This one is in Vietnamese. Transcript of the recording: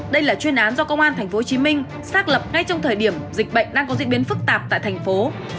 đây là chuyên án do công an tp hcm xác lập ngay trong thời điểm dịch bệnh đang có diễn biến phức tạp tại thành phố